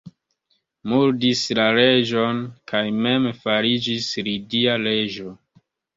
Murdis la reĝon kaj mem fariĝis lidia reĝo.